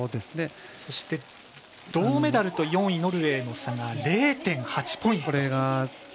そして、銅メダルと４位ノルウェーの差が０．８ポイント。